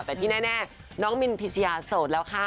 แต่ที่แน่น้องมินพิชยาโสดแล้วค่ะ